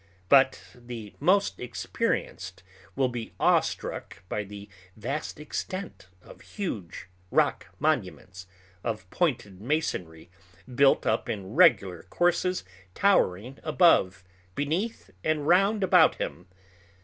But the most experienced will be awestruck by the vast extent of huge rock monuments of pointed masonry built up in regular courses towering above, beneath, and round about him.